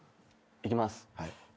いきます。